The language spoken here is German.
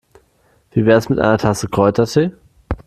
Wie wär's mit einer Tasse Kräutertee?